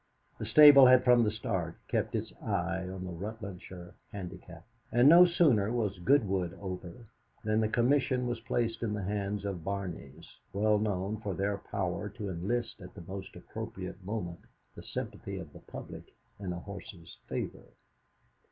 The Stable had from the start kept its eye on the Rutlandshire Handicap, and no sooner was Goodwood over than the commission was placed in the hands of Barney's, well known for their power to enlist at the most appropriate moment the sympathy of the public in a horse's favour.